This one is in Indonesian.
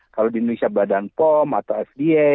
kalau di indonesia badan pom atau fda